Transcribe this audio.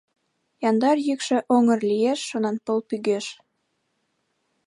Яндар йӱкшӧ Оҥгыр лиеш шонанпыл пӱгеш.